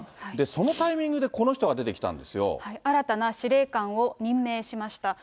そのタイミングでこの人が出てきた新たな司令官を任命しました。